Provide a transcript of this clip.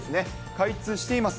開通しています。